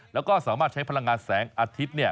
แล้วก็สามารถใช้พลังงานแสงอาทิตย์